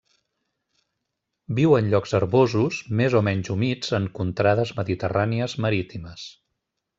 Viu en llocs herbosos més o menys humits en contrades mediterrànies marítimes.